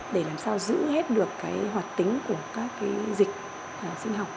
để làm sao giữ hết được cái hoạt tính của các dịch sinh học